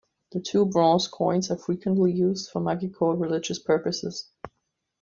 The two bronze coins are frequently used for magico-religious purposes.